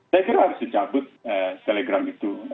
saya kira harus dicabut telegram itu